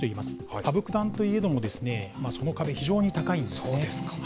羽生九段といえども、その壁、非常に高いんですね。